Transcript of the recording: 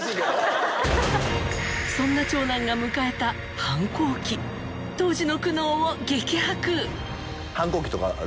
そんな長男が迎えた反抗期当時の苦悩を激白！